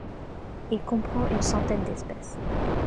Il comprend une centaine d'espèces.